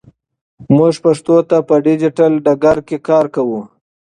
موږ پښتو ته په ډیجیټل ډګر کې کار کوو.